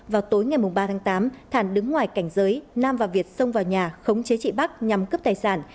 vào tối ngày ba tháng tám thản đứng ngoài cảnh giới nam và việt xông vào nhà khống chế chị bắc nhằm cướp tài sản